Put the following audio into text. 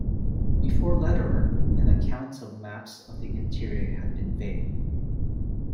Before Lederer, accounts and maps of the interior had been vague.